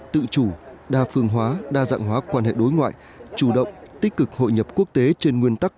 tự chủ đa phương hóa đa dạng hóa quan hệ đối ngoại chủ động tích cực hội nhập quốc tế trên nguyên tắc